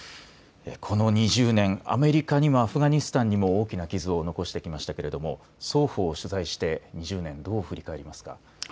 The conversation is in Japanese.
この２０年アメリカにもアフガニスタンにも大きな傷を残してきましたけれども双方取材して２０年、どう振り返りますか。